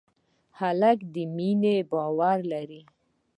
هلک د مینې باور لري.